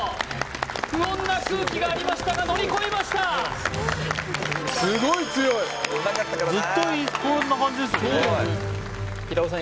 不穏な空気がありましたが乗り越えましたずっとこんな感じですよね